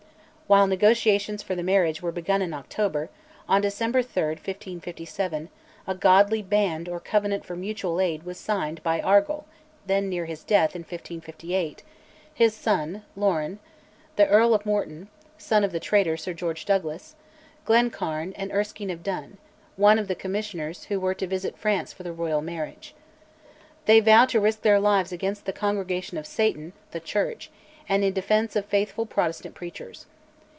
While negotiations for the marriage were begun in October, on December 3, 1557, a godly "band" or covenant for mutual aid was signed by Argyll (then near his death, in 1558); his son, Lorne; the Earl of Morton (son of the traitor, Sir George Douglas); Glencairn; and Erskine of Dun, one of the commissioners who were to visit France for the Royal marriage. They vow to risk their lives against "the Congregation of Satan" (the Church), and in defence of faithful Protestant preachers.